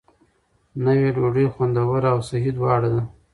نوې ډوډۍ خوندوره او صحي دواړه ده.